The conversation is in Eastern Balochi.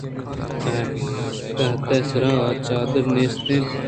تحت ءِ سرءَ چادر نیست اَت